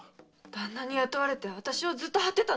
旦那に雇われてあたしをずっと張ってたの？